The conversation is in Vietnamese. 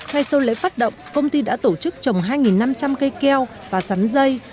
ngay sau lễ phát động công ty đã tổ chức trồng hai năm trăm linh cây keo và sắn dây